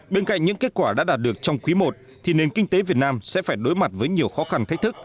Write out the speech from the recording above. bên cạnh những kết quả đã đạt được trong quý i thì nền kinh tế việt nam sẽ phải đối mặt với nhiều khó khăn thách thức